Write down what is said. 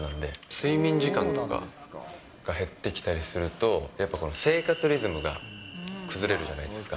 睡眠時間とかが減ってきたりとかすると、やっぱこの生活リズムが崩れるじゃないですか。